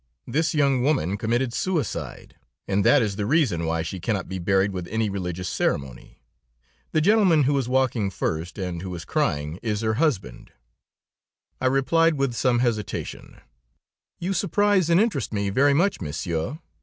This young woman committed suicide, and that is the reason why she cannot be buried with any religious ceremony. The gentleman who is walking first, and who is crying, is her husband." I replied with some hesitation: "You surprise and interest me very much, Monsieur.